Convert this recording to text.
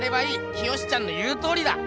清ちゃんの言うとおりだ！